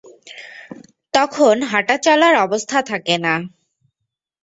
তখন হাঁটা চলার অবস্থা থাকে না।